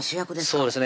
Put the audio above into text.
そうですね